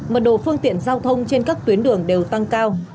mật độ phương tiện giao thông trên các tuyến đường đều tăng cao